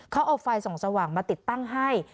เขาเอาไฟส่องสว่างมาติดตั้งให้